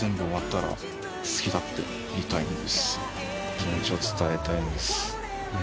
気持ちを伝えたいんです。